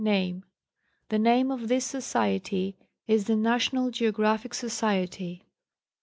Namen. The name of this Society is the "Narronan GEOGRAPHIC Socrery."